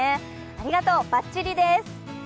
ありがとう、バッチリです。